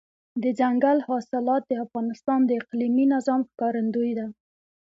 دځنګل حاصلات د افغانستان د اقلیمي نظام ښکارندوی ده.